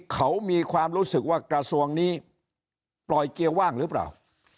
เขามีความรู้สึกว่ากระทรวงนี้ปล่อยเกียร์ว่างหรือเปล่า